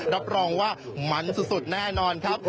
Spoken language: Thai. รับรองว่ามันสุดแน่นอนครับ